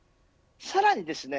さらにですね